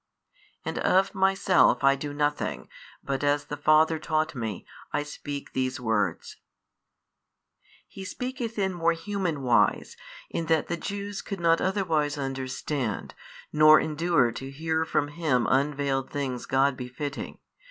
And of Myself I do nothing, but as the Father taught Me, I speak these words. He speaketh in more human wise, in that the Jews could not otherwise understand, nor endure to hear from Him unvailed things God befitting.